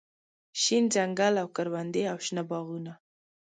شين ځنګل او کروندې او شنه باغونه